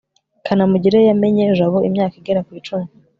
kanamugire yamenye jabo imyaka igera ku icumi